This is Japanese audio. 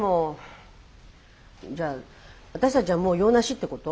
じゃあ私たちはもう用なしってこと？